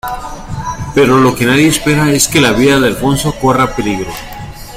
Pero lo que nadie espera es que la vida de Alphonso corra peligro.